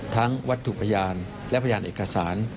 ทั้งวัดถูกพยานและวัดพยานเอกสาร